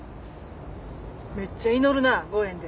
めっちゃ祈るな５円で。